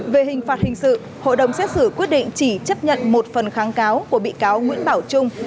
về hình phạt hình sự hội đồng xét xử quyết định chỉ chấp nhận một phần kháng cáo của bị cáo nguyễn bảo trung